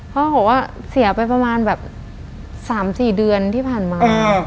เขาบอกว่าเสียไปประมาณแบบ๓๔เดือนที่ผ่านมา